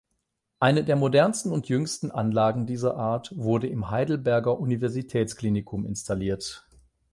Eine der modernsten und jüngsten Anlagen dieser Art wurde im Heidelberger Universitätsklinikum installiert.